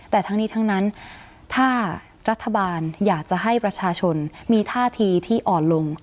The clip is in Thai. แต่ทั้งนี้ทั้งนั้นถ้ารัฐบาลอยากจะให้ประชาชนมีท่าทีที่อ่อนลง